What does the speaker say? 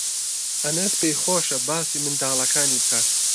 ئەنەس پێی خۆشە باسی منداڵەکانی بکات.